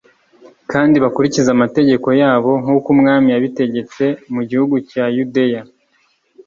kandi bakurikize amategeko yabo nk'uko umwami yabitegetse mu gihugu cya yudeya